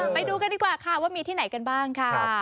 ไปดูกันดีกว่าค่ะว่ามีที่ไหนกันบ้างค่ะ